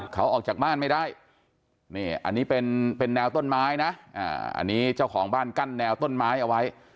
เขาออกจากบ้านไม่ได้นี่อันนี้เป็นแนวต้นไม้นะอันนี้เจ้าของบ้านกั้นแนวต้นไม้เอาไว้